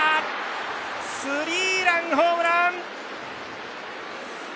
スリーランホームラン！